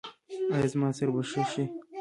ایا زما سر به ښه شي؟